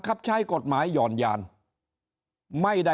ถ้าท่านผู้ชมติดตามข่าวสาร